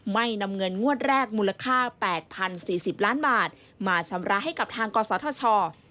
นำเงินงวดแรกมูลค่า๘๐๔๐ล้านบาทมาชำระให้กับทางกศธช